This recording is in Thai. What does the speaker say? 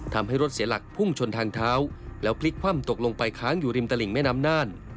ทำให้รถเสียหลักพุ่งชนทางเท้าแล้วพลิกคว่ำตกลงไปค้างอยู่ริมตลิ่งแม่น้ำน่าน